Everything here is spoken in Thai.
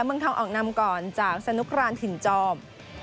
เมืองทองออกนำก่อนจากสนุกรานถิ่นจอม